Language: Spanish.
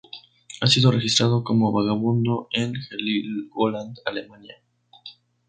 Ha sido registrado como vagabundo en Heligoland, Alemania.